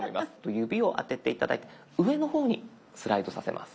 指をあてて頂いて上の方にスライドさせます。